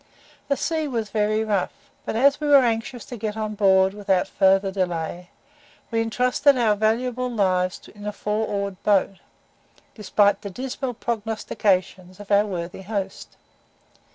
The sea was very rough, but as we were anxious to get on board without farther delay, we entrusted our valuable lives in a four oared boat, despite the dismal prognostications of our worthy host.